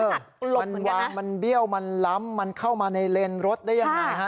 มันวางมันเบี้ยวมันล้ำมันเข้ามาในเลนรถได้ยังไงฮะ